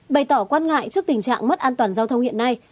bày tỏ quan ngại trước tình trạng mất an toàn giao thông hiện nay